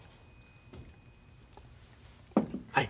はい。